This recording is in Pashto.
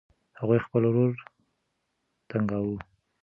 هغوی خپل ورور تنګاوه.